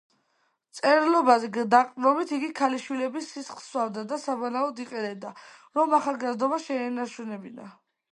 მწერლობაზე დაყრდნობით იგი ქალიშვილების სისხლს სვამდა და საბანაოდ იყენებდა, რომ ახალგაზრდობა შეენარჩუნებინა.